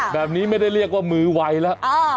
แบบนี้ไม่ได้เรียกว่ามือไวแล้ว